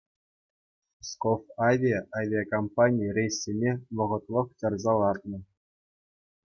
«Псковавиа» авиакомпани рейссене вӑхӑтлӑх чарса лартнӑ.